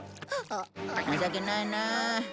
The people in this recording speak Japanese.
情けないなあ。